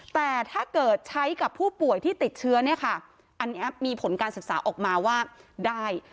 แต่ถ้าเกิดใช้กับผู้ป่วยที่ติดเชื้อมีผลการศึกษาออกมาว่าได้